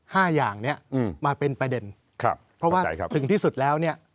อย่างเนี้ยอืมมาเป็นประเด็นครับเพราะว่าถึงที่สุดแล้วเนี่ย